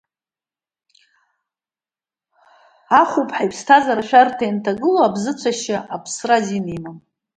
Ахәыԥҳа иԥсҭазара ашәарҭа ианҭагылоу, абзыцәашьа аԥсра азин имам…